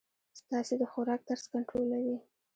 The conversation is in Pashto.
ستاسي د خوراک طرز کنټرولوی.